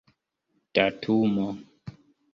datumo